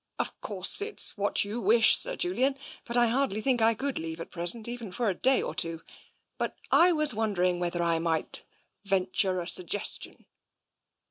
Of course, it's what you wish, Sir Julian, but I hardly think I could leave at present, even for a day or two. But I was wondering whether I might venture a sug gestion."